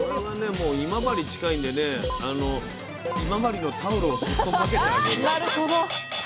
もう今治近いんでね今治のタオルをそっと掛けてあげる。